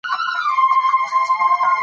دا یوازې واټن زیاتوي.